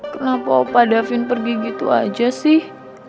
kenapa opa davin pergi gitu aja sih